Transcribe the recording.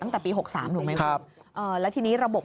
ตั้งแต่ปี๖๓ถูกไหมครับแล้วทีนี้ระบบ